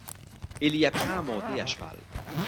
Il y apprend à monter à cheval.